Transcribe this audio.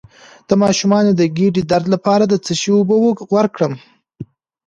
د ماشوم د ګیډې درد لپاره د څه شي اوبه ورکړم؟